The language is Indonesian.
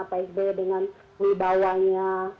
pak sby dengan wibawanya